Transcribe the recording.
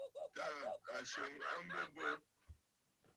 Tàà a swoŋ a mbo bo.